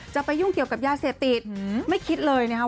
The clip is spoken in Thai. ไปยุ่งเกี่ยวกับยาเสพติดไม่คิดเลยนะครับ